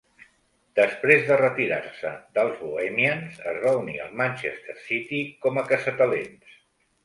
Després de retirar-se dels Bohemians, es va unir al Manchester City com a caçatalents.